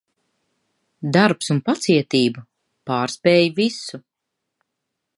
Darbs un pacietība pārspēj visu.